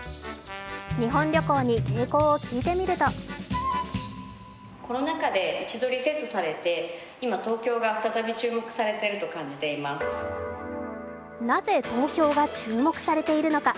日本旅行に傾向を聞いてみるとなぜ東京が注目されているのか。